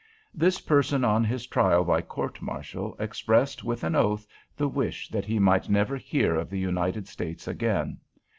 "This person on his trial by court martial expressed, with an oath, the wish that he might 'never hear of the United States again.'